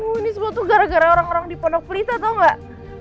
ini semua tuh gara gara orang orang di pendok perita tau gak